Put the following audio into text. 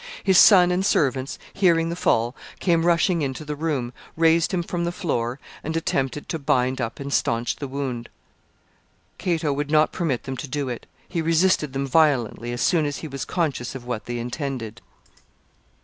His son and servants, hearing the fall, came rushing into the room, raised him from the floor, and attempted to bind up and stanch the wound. Cato would not permit them to do it. He resisted them violently as soon as he was conscious of what they intended.